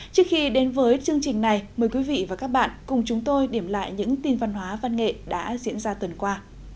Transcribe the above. trước khi đến với chương trình này mời quý vị và các bạn cùng chúng tôi điểm lại những tin văn hóa văn nghệ đã diễn ra tuần qua